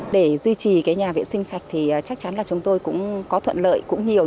để duy trì cái nhà vệ sinh sạch thì chắc chắn là chúng tôi cũng có thuận lợi cũng nhiều